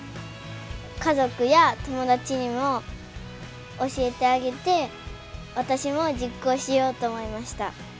家族や友達にも教えてあげて私も実行しようと思いました。